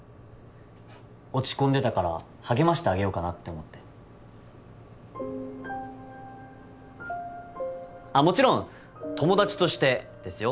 落ち込んでたから励ましてあげようかなって思ってもちろん友達としてですよ？